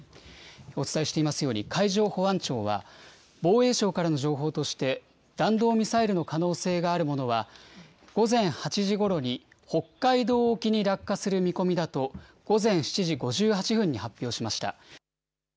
お伝えしていますように、海上保安庁は、防衛省からの情報として、弾道ミサイルの可能性のあるものは、午前８時ごろに北海道沖に落下する見込みだと、午前７時５８分に発表しました。